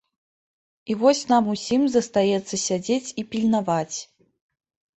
І вось нам усім застаецца сядзець і пільнаваць.